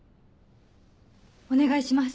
お願いします。